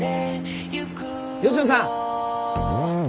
吉野さん！